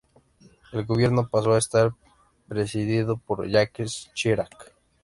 El gobierno pasó a estar presidido por Jacques Chirac.